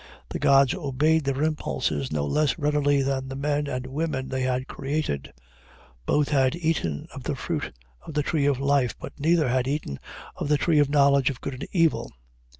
The gods obeyed their impulses not less readily than the men and women they had created; both had eaten of the fruit of the tree of life, but neither had eaten of the tree of knowledge of good and evil.